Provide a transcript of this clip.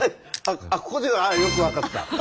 あここよく分かった。